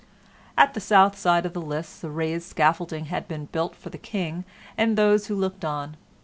At the south side of the lists a raised scaffolding had been built for the King and those who looked on.